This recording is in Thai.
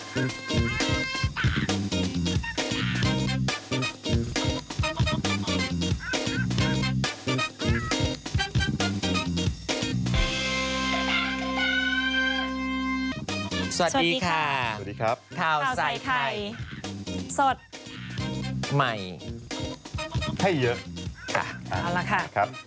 สวัสดีค่ะสวัสดีครับข้าวใส่ไข่สดใหม่ให้เยอะค่ะเอาล่ะค่ะครับ